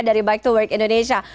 dari bike to work indonesia